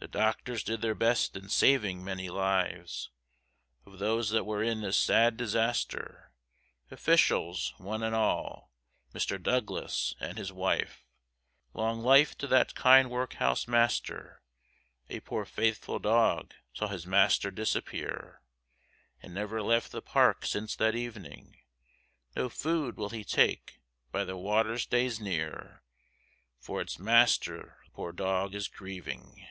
The doctors did their best in saving many lives, Of those that were in this sad disaster; Officials one and all, Mr Douglas and his wife, Long life to that kind workhouse master. A poor faithful dog saw his master disappear, And never left the park since that evening, No food will he take, by the water stays near, For it's master the poor dog is grieving.